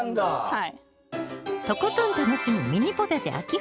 はい。